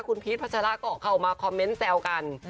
คุณพีชพัชราก็เข้ามาคอมเมนต์แซวกัน